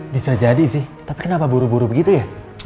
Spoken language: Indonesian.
bisa jadi sih tapi kenapa buru buru begitu ya